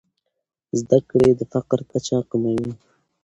زده کړې د فقر کچه کموي.